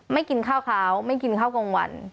ไม่กินข้าวไม่กินข้าวกลางวัน